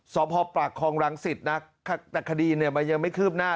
สภพปรักษ์ครองรังสิทธิ์นะแต่คดีเนี่ยมันยังไม่ขืบหน้า